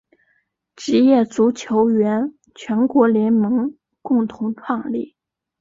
职业足球员全国联盟共同创立。